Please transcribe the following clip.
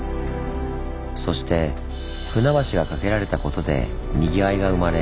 そして船橋がかけられたことでにぎわいが生まれ